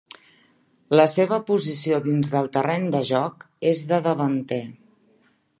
La seva posició dins del terreny de joc és de davanter.